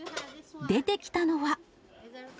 出てきたのは。